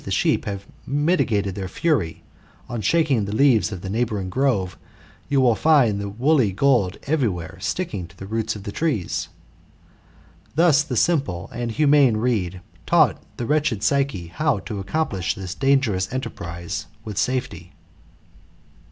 94 THE METAMORPHOSIS, OR sheep have mitigated their fury, on shaking the leaves of a neighbouring grove, you will find the woolly gold every where sticking to the roots of the trees.'' Thus the sim ple and humane reed taught the wretched PsycEe^ bow to accolnpltsfa this enterprise with safety.